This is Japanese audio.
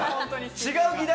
違う！